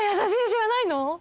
知らないの？